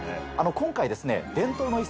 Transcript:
今回ですね。